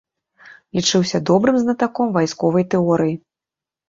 Лічыўся добрым знатаком вайсковай тэорыі.